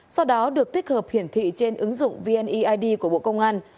sau đó được tích hợp hiển thị trên ứng dụng vneid của bộ công an